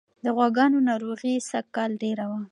د غواګانو ناروغي سږکال ډېره وه.